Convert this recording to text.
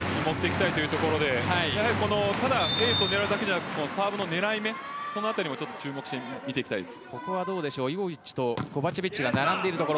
日本のペースに持っていきたいというところでただエースを狙うだけじゃなくサーブの狙い目の辺りも注目して見ていきたいです。